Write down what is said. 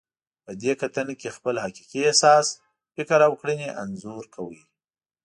په دې کتنه کې خپل حقیقي احساس، فکر او کړنې انځور کوئ.